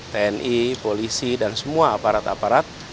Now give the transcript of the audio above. tni polisi dan semua aparat aparat